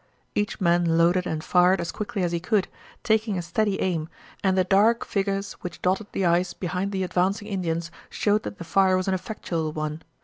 Each man loaded and fired as quickly as he could, taking a steady aim, and the dark figures which dotted the ice behind the advancing Indians showed that the fire was an effectual one.